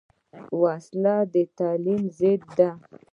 وسله د تعلیم ضد ده